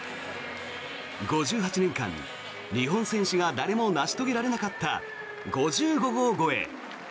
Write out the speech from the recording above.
５８年間、日本選手が誰も成し遂げられなかった５５号超え。